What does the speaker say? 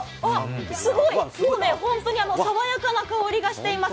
すごい、爽やかな香りがしています。